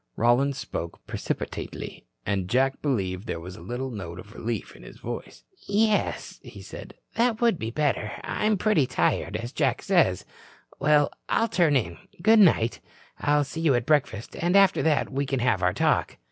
Rollins spoke precipitately, and Jack believed there was a little note of relief in his voice. "Yes," said he, "that would be better. I am pretty tired, as Jack says. Well, I'll turn in. Good night. I'll see you at breakfast and after that we can have our talk."